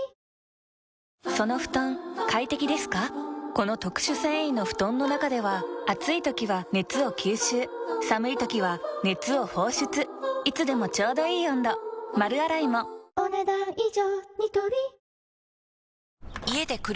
この特殊繊維の布団の中では暑い時は熱を吸収寒い時は熱を放出いつでもちょうどいい温度丸洗いもお、ねだん以上。